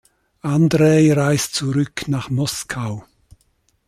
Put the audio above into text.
Andrej reist zurück nach Moskau.